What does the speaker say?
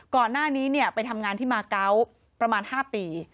ก่อนหน้านี้ไปทำงานที่มาเกาะประมาณ๕ปี